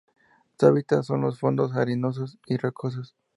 Su hábitat son los fondos arenosos o rocosos.